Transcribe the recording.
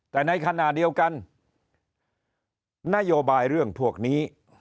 แต่ในขณะเดียวกันนโยบายเรื่องพวกนี้